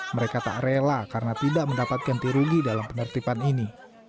mereka tak rela karena tidak mendapatkan tirugi dalam penertiban ini